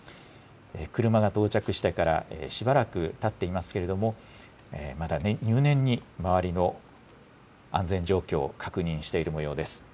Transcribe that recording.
車が到着してからしばらくたっていますけれども、まだ、入念に周りの安全状況を確認しているもようです。